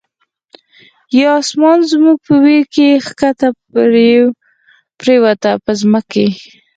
یا آسمان زمونږ په ویر کی، ښکته پریوته په ځمکه